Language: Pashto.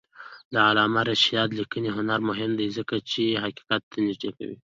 د علامه رشاد لیکنی هنر مهم دی ځکه چې حقیقت ته نږدې کوي.